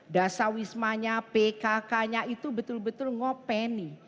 dasawismanya pkknya itu betul betul ngopeni